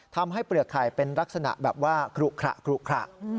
ทำให้เปลือกไข่เป็นลักษณะแบบว่ากรุกคละ